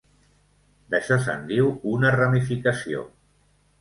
D'això se'n diu una ramificació.